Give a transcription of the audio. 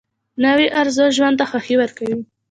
نوې ارزو ژوند ته خوښي ورکوي